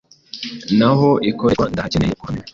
naho ikoreshwa ndahakeneye kuhamenya